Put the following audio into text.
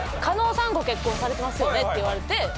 加納さんご結婚されてますよね？って言われて。